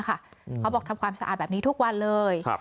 เขาบอกทำความสะอาดแบบนี้ทุกวันเลย